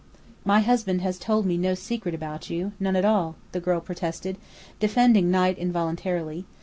"My husband has told me no secret about you, none at all," the girl protested, defending Knight involuntarily.